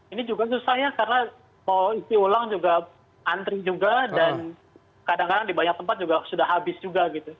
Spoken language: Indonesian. ini juga susah ya karena mau isi ulang juga antri juga dan kadang kadang di banyak tempat juga sudah habis juga gitu